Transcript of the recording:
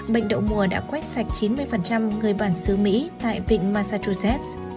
bệnh đậu mùa đã quét sạch chín mươi người bản xứ mỹ tại vịnh massachusetts